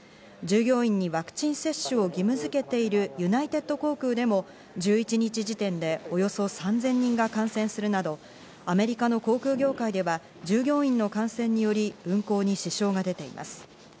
従業員にワクチン接種を義務づけているユナイテッド航空でも、１１日時点でおよそ３０００人が感染するなど、アメリカの航空業界では従業員の感染により運航に支障が出ています。